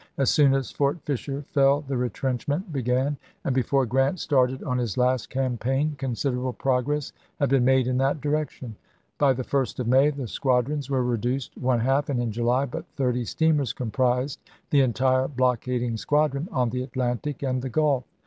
As soon as Fort Fisher fell the retrenchment began, and before Grant started on his last campaign con siderable progress had been made in that direction. By the 1st of May the squadrons were reduced one half, and in July but thirty steamers comprised the entire blockading squadron on the Atlantic and the Gulf.